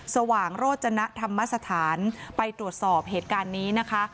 สว่างโรจนธรรมสถานไปตรวจสอบเหตุการณ์นี้นะคะ